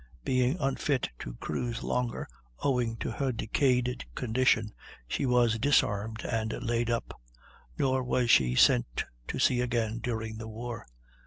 Being unfit to cruise longer, owing to her decayed condition, she was disarmed and laid up; nor was she sent to sea again during the war.